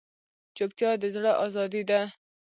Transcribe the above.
چوپتیا، د زړه ازادي ده.